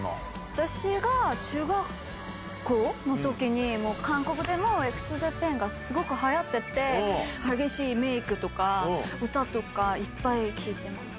私が中学校のときに、韓国でもＸＪＡＰＡＮがすごくはやってて、激しいメークとか、歌とか、いっぱい聴いてました。